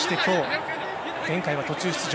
前回は途中出場。